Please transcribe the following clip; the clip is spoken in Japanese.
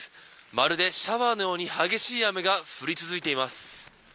まるでシャワーのように激しい雨が降り続いています。